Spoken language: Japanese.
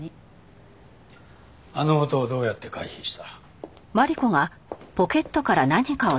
あの音をどうやって回避した？